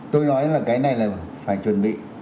tôi nói là cái này là phải chuẩn bị